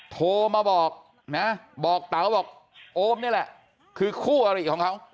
โทรมาบอกนะบอกเต๋าบอกโอมนี่แหละคือคู่อริของเขา